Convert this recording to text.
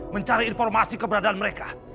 mencari informasi keberadaan mereka